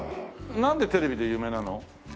なんでテレビで有名なの？